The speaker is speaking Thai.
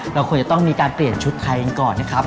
เราควรจะต้องมีการเปลี่ยนชุดไทยกันก่อนนะครับ